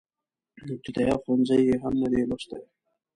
ابتدائيه ښوونځی يې هم نه دی لوستی.